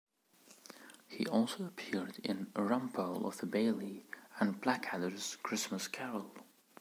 He also appeared in "Rumpole of the Bailey" and "Blackadder's Christmas Carol".